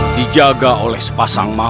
dijaga oleh sepasang mahu